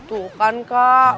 tuh kan kak